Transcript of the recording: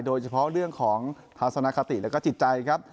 โดยเฉพาะเรื่องของทัศนคติแล้วก็จิตใจครับ